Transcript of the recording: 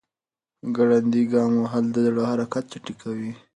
ګړندی قدم وهل د زړه حرکت چټکوي.